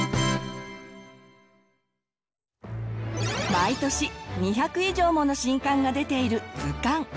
毎年２００以上もの新刊が出ている図鑑。